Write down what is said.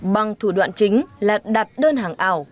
bằng thủ đoạn chính là đặt đơn hàng ảo